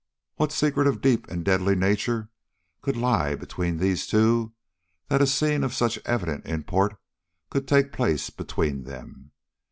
What secret of a deep and deadly nature could lie between these two, that a scene of such evident import could take place between them?